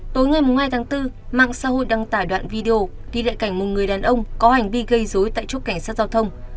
tối ngày hai tháng bốn mạng xã hội đăng tải đoạn video ghi lại cảnh một người đàn ông có hành vi gây dối tại chốt cảnh sát giao thông